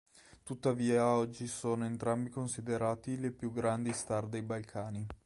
Tuttavia oggi sono entrambi considerati le più grandi star dei Balcani.